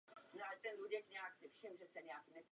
Pocházel z původně etnicky českého žateckého rodu.